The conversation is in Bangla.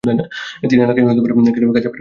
তিনি এলাকায় খাজা পীর বলেই বেশি পরিচিত ছিলেন।